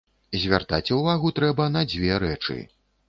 Звяртаць увагу трэба на дзве рэчы.